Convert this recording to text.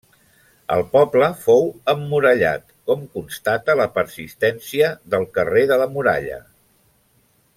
El poble fou emmurallat, com constata la persistència del carrer de la Muralla.